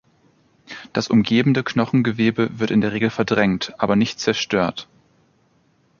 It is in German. Das umgebende Knochengewebe wird in der Regel verdrängt, aber nicht zerstört.